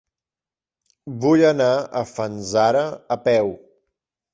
Vull anar a Fanzara a peu.